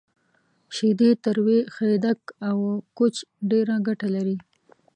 شیدې، تروی، خیدک، او کوچ ډیره ګټه لری